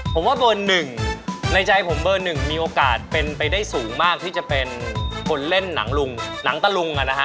ผมว่าเบอร์๑ในใจผมเบอร์๑มีโอกาสเป็นไปได้สูงมากที่จะเป็นคนเล่นหนังตะลุงนะคะ